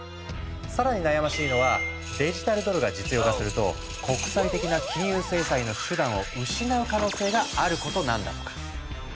更に悩ましいのはデジタルドルが実用化すると国際的な金融制裁の手段を失う可能性があることなんだとか。